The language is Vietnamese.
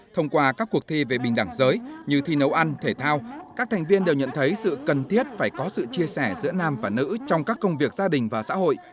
thông qua các cuộc thi về bình đẳng giới như thi nấu ăn thể thao các thành viên đều nhận thấy sự cần thiết phải có sự chia sẻ giữa nam và nữ trong các công việc gia đình và xã hội